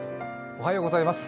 おはようございます。